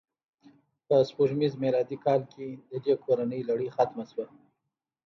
په سپوږمیز میلادي کال کې د دې کورنۍ لړۍ ختمه شوه.